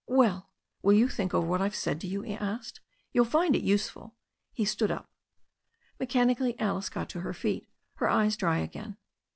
"Well, will you think over what I've said to you?" he asked. "You'll find it useful." He stood up. Mechanically Alice got to her feet, her eyes dry again.